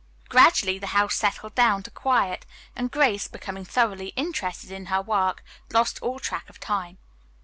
Gradually the house settled down to quiet, and Grace, becoming thoroughly interested in her work, lost all track of time.